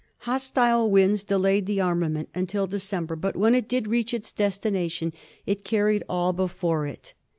Hos tile winds delayed the armament until December, but when it did reach its destination it carried all before it.